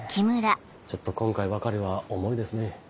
ちょっと今回ばかりは重いですね。